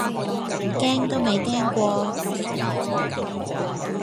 驚都未驚過